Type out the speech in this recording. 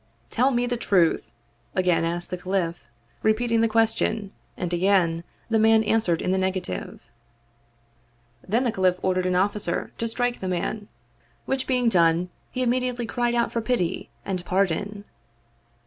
"Tell me the truth," again asked the caliph, repeating the question, and again the man answered in the negative. Then the caliph ordered an officer to strike the man, 36 The Cheerful Workman which being done, he immediately cried out for pity and pardon.